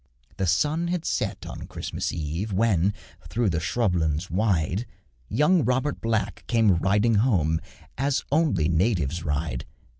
The sun had set on Christmas Eve, When, through the scrub lands wide, Young Robert Black came riding home As only natives ride.